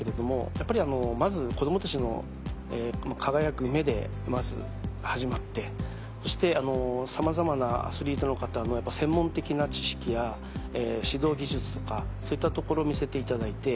やっぱりまず子供たちの輝く目で始まってそしてさまざまなアスリートの方の専門的な知識や指導技術とかそういったところ見せていただいて。